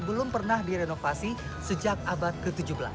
belum pernah direnovasi sejak abad ke tujuh belas